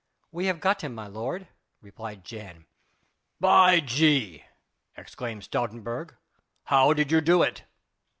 "We have got him, my lord," replied Jan. "By G d!" exclaimed Stoutenburg, "how did you do it?"